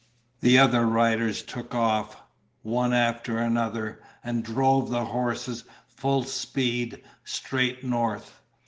The other riders took off, one after another, and drove the horses full speed straight north.